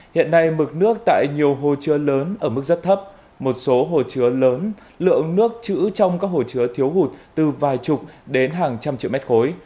hiện nay mực nước tại nhiều hồ chứa lớn ở mức rất thấp một số hồ chứa lớn lượng nước chữ trong các hồ chứa thiếu hụt từ vài chục đến hàng trăm triệu mét khối